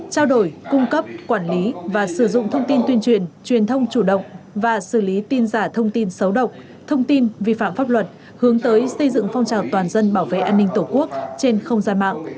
trao đổi cung cấp quản lý và sử dụng thông tin tuyên truyền truyền thông chủ động và xử lý tin giả thông tin xấu độc thông tin vi phạm pháp luật hướng tới xây dựng phong trào toàn dân bảo vệ an ninh tổ quốc trên không gian mạng